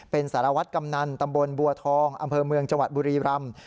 เป็นสารวัตรกำนันตำบลบัวทองอำเภอเมืองจังหวัดบุรีรำ